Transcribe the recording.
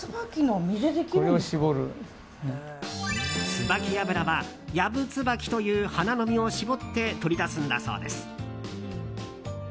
ツバキ油はヤブツバキという花の実を絞って取り出すんだそうです。